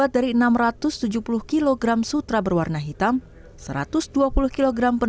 jamiah kiswah malik abdul aziz